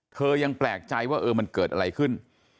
ยังแปลกใจว่าเออมันเกิดอะไรขึ้น